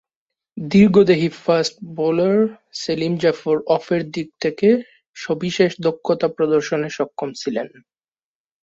দীর্ঘদেহী fast bowler Saleem Jaffar অফের দিক থেকে সবিশেষ দক্ষতা প্রদর্শনে সক্ষম ছিলেন।